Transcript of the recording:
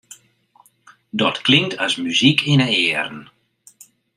Dat klinkt as muzyk yn 'e earen.